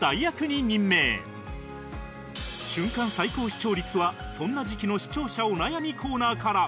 瞬間最高視聴率はそんな時期の視聴者お悩みコーナーから